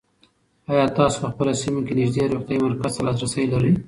آیا تاسو په خپله سیمه کې نږدې روغتیایي مرکز ته لاسرسی لرئ؟